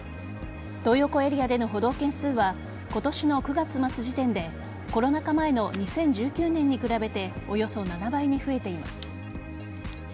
トー横エリアでの補導件数は今年の９月末時点でコロナ禍前の２０１９年に比べておよそ７倍に増えています。